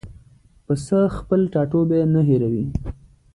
پسه خپل ټاټوبی نه هېروي.